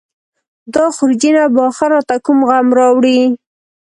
دا خورجینه به اخر راته کوم غم راوړي.